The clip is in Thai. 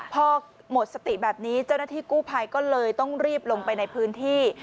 พอหมดสติแบบนี้เจ้าหน้าที่กู้ภัยก็เลยต้องรีบลงไปในพื้นที่